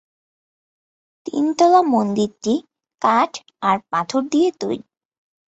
তিনতলা মন্দিরটি কাঠ আর পাথর দিয়ে তৈরি।